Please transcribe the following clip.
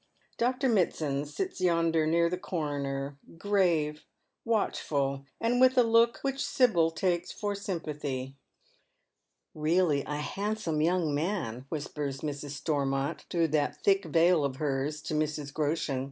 Dr Mitsand sits yonder near the coroner, grave, watchful, and with a look which Sibyl takes for sympathy. " Really, a handsome young man," whispers Mrs. Storm.ont through that thick veil of hers to Mrs. Groshen.